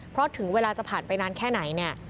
เพราะถึงเวลาจะผ่านไปนานแค่ไหนเนี่ย